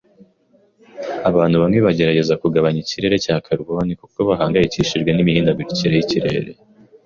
Abantu bamwe bagerageza kugabanya ikirere cya karuboni kuko bahangayikishijwe n’imihindagurikire y’ikirere